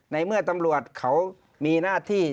ในเมื่อตำรวจเขามีหน้าที่